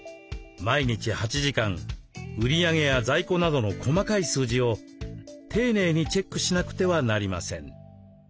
毎日８時間売り上げや在庫などの細かい数字を丁寧にチェックしなくてはなりません。